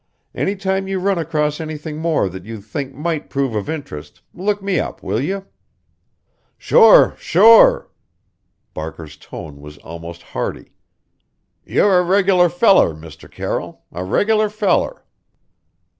Any time you run across anything more that you think might prove of interest, look me up, will you?" "Sure! Sure!" Barker's tone was almost hearty. "You're a regular feller, Mr. Carroll a regular feller!"